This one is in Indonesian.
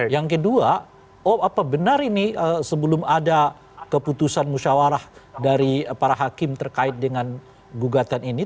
yang kedua benar ini sebelum ada keputusan musyawarah dari para hakim terkait dengan gugatan ini